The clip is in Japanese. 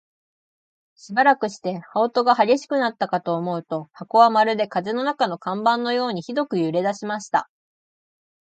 しばらくして、羽音が烈しくなったかと思うと、箱はまるで風の中の看板のようにひどく揺れだしました。